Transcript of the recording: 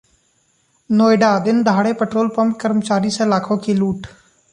नोएडाः दिन दहाड़े petrol pump कर्मचारी से लाखों की लूट